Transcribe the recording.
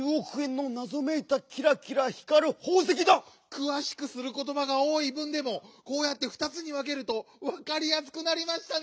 「くわしくすることば」がおおい文でもこうやって２つにわけるとわかりやすくなりましたね！